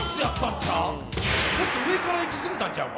ちょっと上から行き過ぎたんちゃうか。